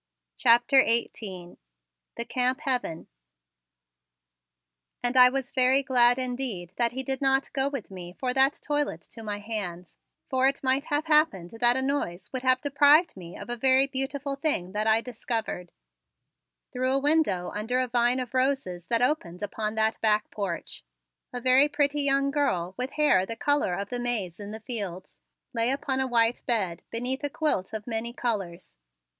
CHAPTER XVIII THE CAMP HEAVEN And I was very glad indeed that he did not go with me for that toilet to my hands, for it might have happened that a noise would have deprived me of a very beautiful thing that I discovered, through a window under a vine of roses that opened upon that back porch. A very pretty young girl, with hair the color of the maize in the fields, lay upon a white bed beneath a quilt of many colors.